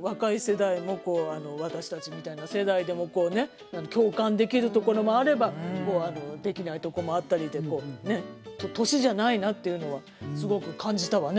若い世代も私たちみたいな世代でもこうね共感できるところもあればできないとこもあったりでこうね年じゃないなっていうのはすごく感じたわね